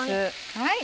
はい。